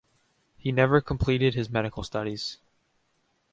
He never completed his medical studies.